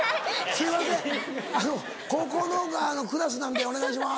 「すいません高校のクラスなんでお願いします」。